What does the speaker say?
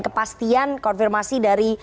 kepastian konfirmasi dari